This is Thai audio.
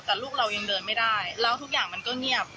แต่ลูกเรายังเดินไม่ได้แล้วทุกอย่างมันก็เงียบ